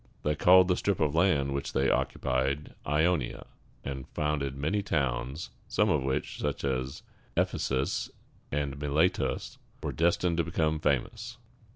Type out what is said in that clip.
They called the strip of land which they occupied Ionia, and founded many towns, some of which, such as Eph´e sus and Mi le´tus, were destined to become famous.